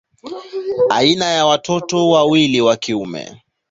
Ana watoto wawili wa kiume.